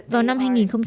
vào năm hai nghìn ba mươi